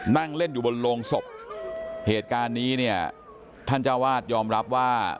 นั่งเล่นอยู่บนโรงศพเหตุการณ์นี้เนี่ยท่านเจ้าวาดยอมรับว่า